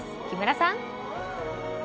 木村さん。